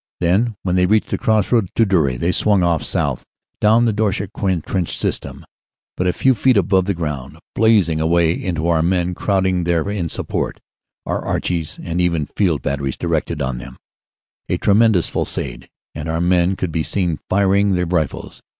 Then, when they reached the crossroad to Dury, they swung off south, 174 CANADA S HUNDRED DAYS down the Drocourt Queant trench system, but a few feet above the ground, blazing away into our men, crowded there in sup port. Our "Archies" and even field batteries directed on them a tremendous fusillade, and our men could be seen firing their rifles.